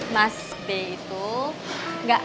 mas be itu gak